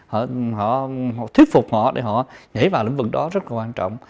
họ thuyết phục họ để họ nhảy vào lĩnh vực đó rất là quan trọng